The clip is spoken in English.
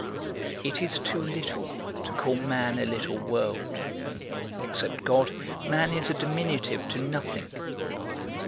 It is too little to call man a little world; except God, man is a diminutive to nothing.